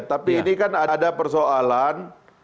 tapi ini kan ada persoalan